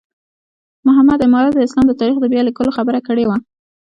محمد عماره د اسلام د تاریخ د بیا لیکلو خبره کړې وه.